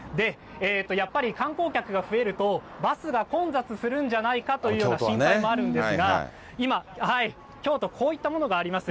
やっぱり観光客が増えると、バスが混雑するんじゃないかというような心配もあるんですが、今、京都、こういったものがあります。